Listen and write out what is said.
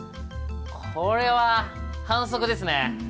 これは反則ですね。